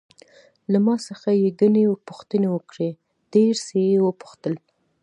له ما څخه یې ګڼې پوښتنې وکړې، ډېر څه یې وپوښتل.